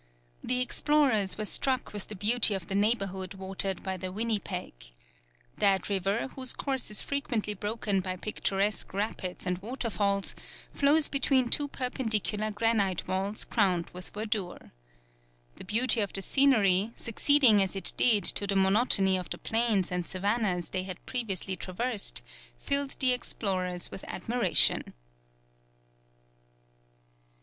The explorers were struck with the beauty of the neighbourhood watered by the Winnipeg. That river, whose course is frequently broken by picturesque rapids and waterfalls, flows between two perpendicular granite walls crowned with verdure. The beauty of the scenery, succeeding as it did to the monotony of the plains and savannahs they had previously traversed, filled the explorers with admiration.